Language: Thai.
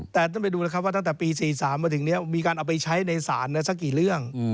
แต่ต้องไปดูนะครับว่าตั้งแต่ปี๔๓มาถึงนี้มีการเอาไปใช้ในศาลสักกี่เรื่อง